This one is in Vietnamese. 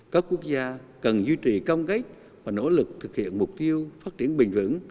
các quốc gia cần duy trì công cách và nỗ lực thực hiện mục tiêu phát triển bình vững